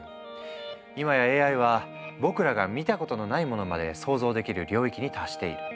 今やＡＩは僕らが見たことのないものまで創造できる領域に達している。